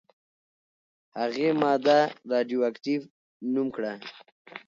هغې ماده «راډیواکټیف» نوم کړه.